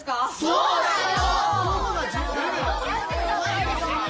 そうだよ！